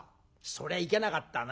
「そりゃいけなかったな。